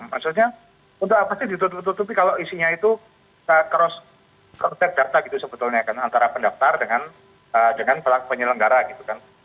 maksudnya untuk apa sih ditutupi kalau isinya itu cross crowt data gitu sebetulnya kan antara pendaftar dengan penyelenggara gitu kan